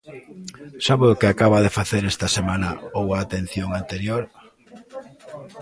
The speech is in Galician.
¿Sabe o que acaba de facer esta semana ou a atención anterior?